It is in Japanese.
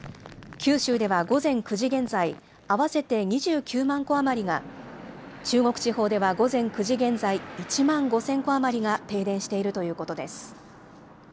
九州では午前９時現在、合わせて２９万戸余りが、中国地方では午前９時現在、１万５０００戸余りが停電しているということです。